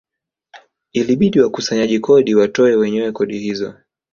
Ilibidi wakusanyaji kodi watoe wenyewe kodi hizo